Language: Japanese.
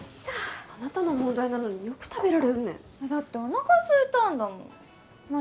あなたの問題なのによく食べられるねだっておなかすいたんだもん何？